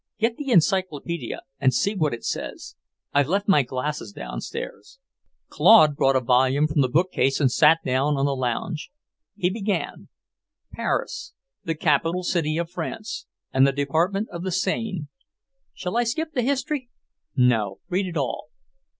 Get the encyclopaedia and see what it says. I've left my glasses downstairs." Claude brought a volume from the bookcase and sat down on the lounge. He began: "Paris, the capital city of France and the Department of the Seine, shall I skip the history?" "No. Read it all."